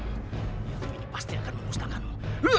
aku ini pasti akan memustakamu